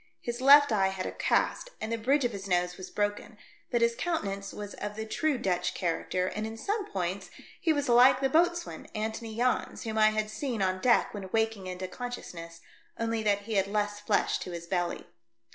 His left eye had a cast and the bridge of his nose was broken, but his countenance was of the true Dutch character, and in some points he was like the boatswain, Antony Jans, whom I had seen on deck when waking into consciousness, only that he had less flesh to his belly.